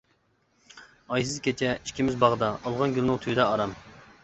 ئايسىز كېچە ئىككىمىز باغدا، ئالغان گۈلنىڭ تۈۋىدە ئارام.